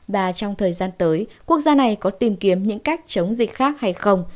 và trong thời gian tới quốc gia này có tìm kiếm những cách chống dịch khác hay không